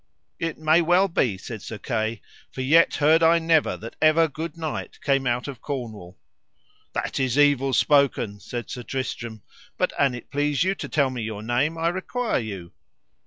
It may well be, said Sir Kay, for yet heard I never that ever good knight came out of Cornwall. That is evil spoken, said Sir Tristram, but an it please you to tell me your name I require you.